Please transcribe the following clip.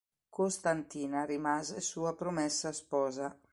Costantina rimase sua promessa sposa.